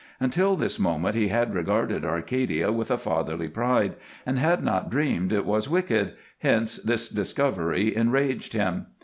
Until this moment he had regarded Arcadia with fatherly pride, and had not dreamed it was wicked, hence this discovery enraged him.